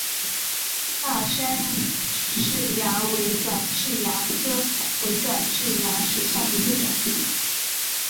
大杉氏蚜为短痣蚜科伪短痣蚜属下的一个种。